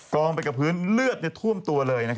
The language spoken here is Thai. องไปกับพื้นเลือดท่วมตัวเลย